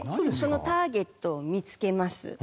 そのターゲットを見つけます。